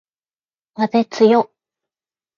風つよ